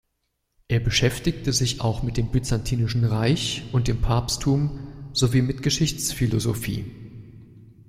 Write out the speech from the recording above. Er beschäftigte sich auch mit dem Byzantinischen Reich und dem Papsttum sowie mit Geschichtsphilosophie.